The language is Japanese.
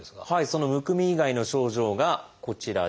そのむくみ以外の症状がこちらです。